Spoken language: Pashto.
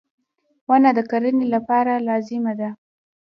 • ونه د کرنې لپاره لازمي ده.